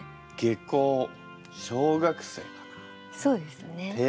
下校そうですね。